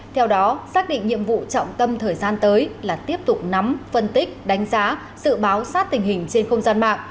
theo đó xác định nhiệm vụ trọng tâm thời gian tới là tiếp tục nắm phân tích đánh giá sự báo sát tình hình trên không gian mạng